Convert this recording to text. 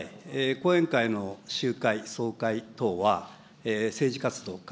後援会の集会、総会等は政治活動か。